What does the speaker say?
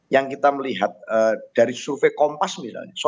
yang kita melihat dari survei kompas misalnya